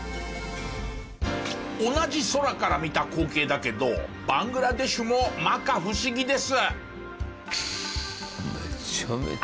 同じ空から見た光景だけどバングラデシュも摩訶不思議です。